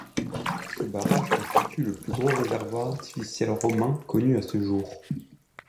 Ce barrage constitue le plus gros réservoir artificiel romain connu à ce jour.